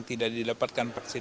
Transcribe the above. komisi lima belas gama sukar miansir